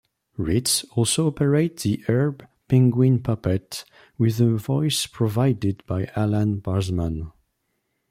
Ritts also operated the Herb penguin puppet, with the voice provided by Alan Barzman.